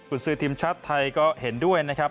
คุณซื้อทีมชาติไทยก็เห็นด้วยนะครับ